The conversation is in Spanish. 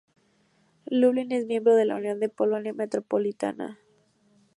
Lublin es miembro de la Unión de Polonia Metropolitana.